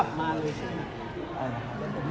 เพราะว่าไม่ชิม